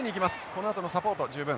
このあとのサポート十分。